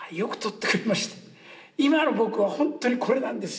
今の僕は本当にこれなんです。